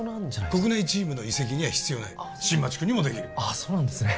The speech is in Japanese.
国内チームの移籍には必要ない新町君にもできるあっそうなんですね